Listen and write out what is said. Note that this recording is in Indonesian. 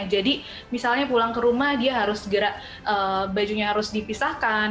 jadi misalnya pulang ke rumah dia harus segera bajunya harus dipisahkan